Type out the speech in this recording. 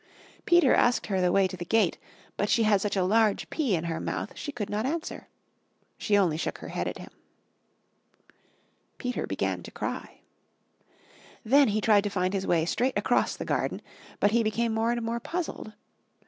Peter asked her the way to the gate but she had such a large pea in her mouth she could not answer. She only shook her head at him. Peter began to cry. Then he tried to find his way straight across the garden, but he became more and more puzzled.